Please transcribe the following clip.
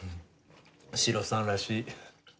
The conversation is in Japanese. シロさんらしい。